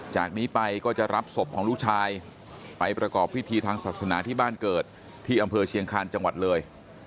จากนี้ไปก็จะรับศพของลูกชายไปประกอบพิธีทางศาสนาที่บ้านเกิดที่อำเภอเชียงคาญจังหวัดเลย